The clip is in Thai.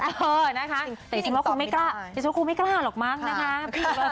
เออนะคะแต่จริงแล้วคงไม่กล้าหรอกมั้งนะคะ